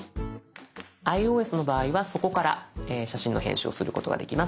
ｉＯＳの場合はそこから写真の編集をすることができます。